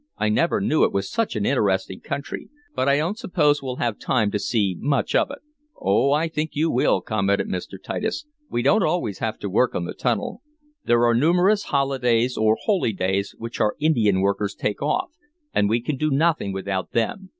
"I never knew it was such an interesting country. But I don't suppose we'll have time to see much of it." "Oh, I think you will," commented Mr. Titus. "We don't always have to work on the tunnel. There are numerous holidays, or holy days, which our Indian workers take off, and we can do nothing without them.